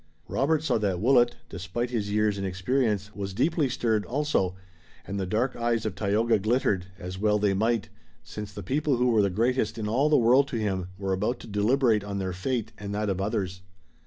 Robert saw that Willet, despite his years and experience, was deeply stirred also, and the dark eyes of Tayoga glittered, as well they might, since the people who were the greatest in all the world to him were about to deliberate on their fate and that of others.